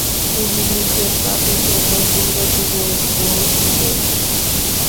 তুমি নিজের পাপের জন্য মূল্য দিবে মুকেশ।